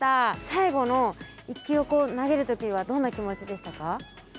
さいごの１球を投げる時はどんな気持ちでしたか？